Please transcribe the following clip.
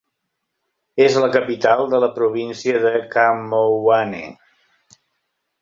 És la capital de la província de Khammouane.